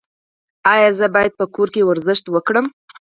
ایا زه باید په کور کې ورزش وکړم؟